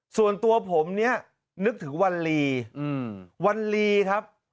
ส่วนตัวผมเนี่ยนึกถึงวันลีวันลีครับ